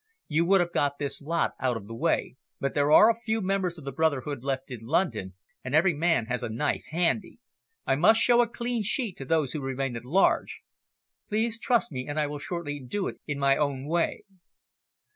"You would have got this lot out of the way, but there are a few members of the brotherhood left in London, and every man has a knife handy. I must show a clean sheet to those who remain at large. Please trust me, and I will shortly do it in my own way."